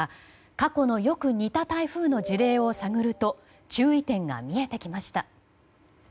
過去のよく似た台風の事例を探ると注意点が見えてきました。